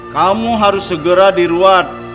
kamu harus segera diruat